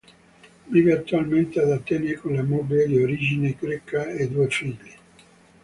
Vive attualmente ad Atene con la moglie di origine greca e due figli.